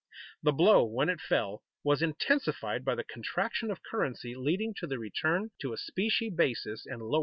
The blow, when it fell, was intensified by the contraction of currency leading to the return to a specie basis and lower prices.